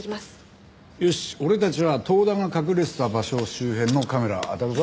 よし俺たちは遠田が隠れてた場所周辺のカメラあたるぞ。